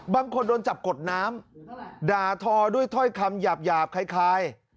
โดนจับกดน้ำด่าทอด้วยถ้อยคำหยาบคล้าย